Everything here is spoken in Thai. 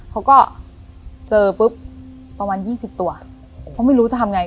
เขาก็เจอปุ๊บประมาณ๒๐ตัวเพราะไม่รู้จะทำไง